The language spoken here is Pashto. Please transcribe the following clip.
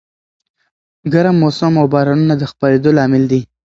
ګرم موسم او بارانونه د خپرېدو لامل دي.